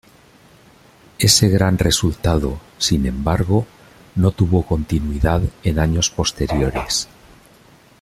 Ese gran resultado, sin embargo, no tuvo continuidad en años posteriores.